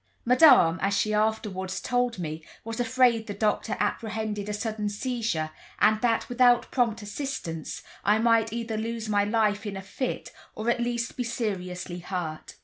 Madame, as she afterwards told me, was afraid the doctor apprehended a sudden seizure, and that, without prompt assistance, I might either lose my life in a fit, or at least be seriously hurt.